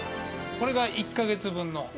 これが１か月分の。